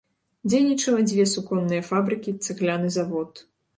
Дзейнічала дзве суконныя фабрыкі, цагляны завод.